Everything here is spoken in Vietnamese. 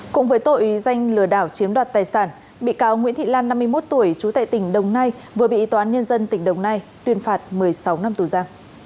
cũng với tội danh lừa đảo chiếm đoạt tài sản bị cáo nguyễn thị lan năm mươi một tuổi trú tại tỉnh đồng nai vừa bị tòa án nhân dân tỉnh đồng nai tuyên phạt một mươi sáu năm tù ra